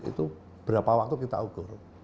itu berapa waktu kita ukur